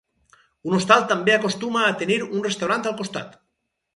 Un hostal també acostuma a tenir un restaurant al costat.